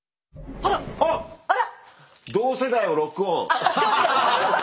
あららら。